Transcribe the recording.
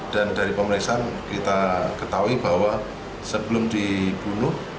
dan dari pemeriksaan kita ketahui bahwa sebelum dibunuh